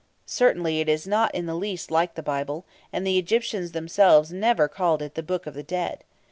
Certainly, it is not in the least like the Bible, and the Egyptians themselves never called it the Book of the Dead.